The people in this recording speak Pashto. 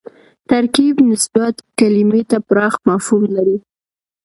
ترکیب نسبت کلیمې ته پراخ مفهوم لري